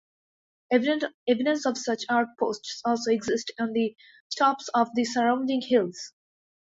Evidence of such outposts also exist on the tops of the surrounding hills.